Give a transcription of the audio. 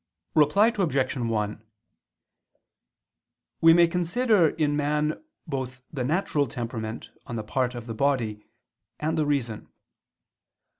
Reply Obj. 1: We may consider in man both the natural temperament on the part of the body, and the reason.